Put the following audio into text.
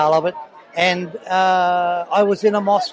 dan saya berada di masjid tidak lama lalu